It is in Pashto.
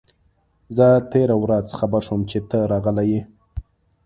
زه تېره ورځ خبر شوم چي ته راغلی یې.